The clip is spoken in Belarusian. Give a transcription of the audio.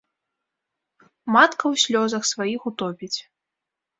Матка ў слёзах сваіх утопіць.